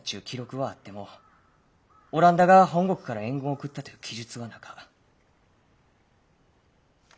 記録はあってもオランダが本国から援軍を送ったという記述はなか。